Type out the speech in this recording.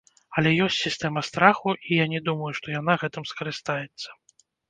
Але ёсць сістэма страху, і я не думаю, што яна гэтым скарыстаецца.